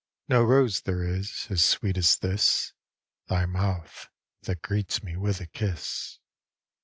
No rose there is As sweet as this Thy mouth, that greets me with a kiss.